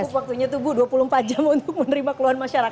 atas waktunya tuh bu dua puluh empat jam untuk menerima keluhan masyarakat